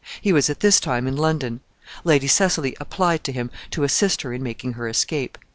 He was at this time in London. Lady Cecily applied to him to assist her in making her escape.